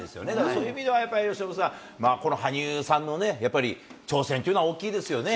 そういう意味ではやっぱり由伸さん、この羽生さんのね、やっぱり挑戦というのは大きいですよね。